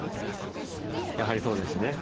やはりそうですね。